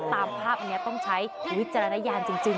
ตามภาพอันนี้ต้องใช้วิจารณญาณจริง